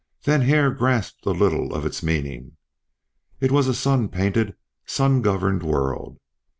Then Hare grasped a little of its meaning. It was a sun painted, sun governed world.